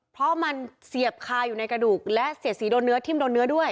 เพราะมันเสียบคาอยู่ในกระดูกและเสียดสีโดนเนื้อทิ้มโดนเนื้อด้วย